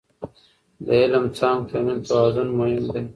د علم څانګو ترمنځ توازن مهم دی.